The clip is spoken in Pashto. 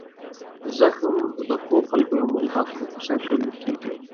زغم د ښو خلکو یو مثبت خصوصیت ګڼل کیږي.